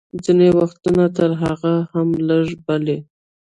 ځینې وختونه تر هغه هم لږ، بلې.